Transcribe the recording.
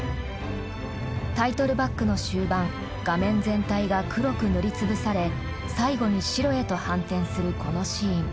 タイトルバックの終盤画面全体が黒く塗り潰され最後に白へと反転するこのシーン。